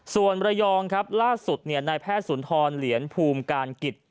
ส่วนระยองครับล่าสุดนายแพทย์สุนทรเหรียญภูมิการกิจ